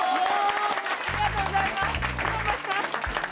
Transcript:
ありがとうございます。